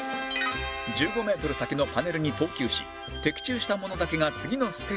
１５メートル先のパネルに投球し的中した者だけが次のステージへ